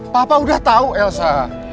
papa udah tau elsa